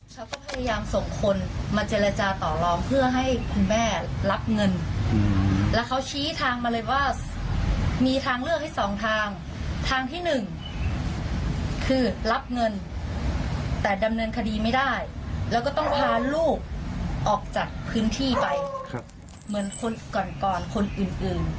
เขาก็พยายามส่งคนมาเจรจาต่อลองเพื่อให้คุณแม่รับเงินแล้วเขาชี้ทางมาเลยว่ามีทางเลือกให้สองทางทางที่หนึ่งคือรับเงินแต่ดำเนินคดีไม่ได้แล้วก็ต้องพาลูกออกจากพื้นที่ไปเหมือนคนก่อนก่อนคนอื่นอื่น